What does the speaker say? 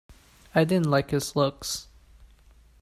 I didn't like his looks.